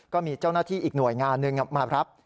ก็มีเจ้าหน้าที่อีกหน่วยงานหนึ่งมารับ